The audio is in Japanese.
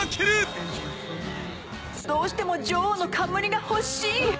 「どうしても女王の冠が欲しい！」